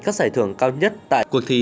các giải thưởng cao nhất tại cuộc thi